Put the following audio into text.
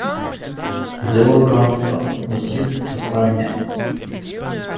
The lower ground floor was used for storing nets.